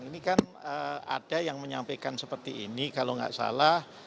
ini kan ada yang menyampaikan seperti ini kalau nggak salah